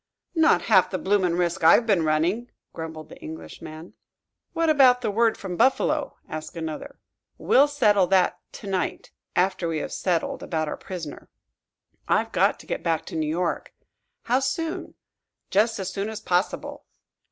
"Not half the bloomin' risk I've been running," grumbled the Englishman. "What about the word from Buffalo?" asked another. "We'll settle that to night after we have settled about our prisoner." "I've got to get back to New York." "How soon?" "Just as soon as possible."